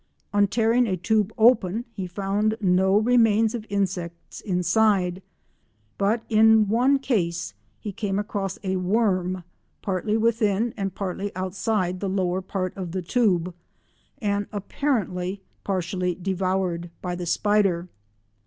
On tearing a tube open he found no remains of insects inside, but in one case he came across a worm, partly within, and partly outside the lower part of the tube, and apparently partially devoured by the spider.